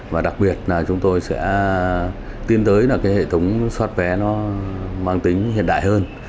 và đặc biệt là chúng tôi sẽ tiêm tới hệ thống xoát vé nó mang tính hiện đại hơn